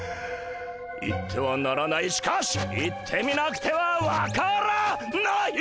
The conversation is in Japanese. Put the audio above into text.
行ってはならないしかし行ってみなくては分からない！